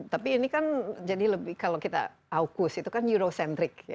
tapi ini kan jadi lebih kalau kita aukus itu kan euro centric ya